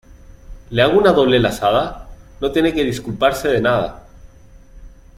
¿ le hago una doble lazada? no tiene que disculparse de nada.